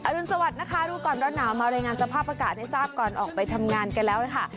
รุนสวัสดิ์นะคะรู้ก่อนร้อนหนาวมารายงานสภาพอากาศให้ทราบก่อนออกไปทำงานกันแล้วค่ะ